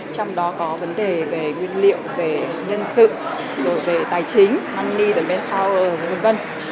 trong đó có vấn đề về nguyên liệu về nhân sự về tài chính money demand power v v